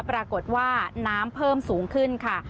ปรากฏว่าน้ำเพิ่มสูงขึ้นค่ะ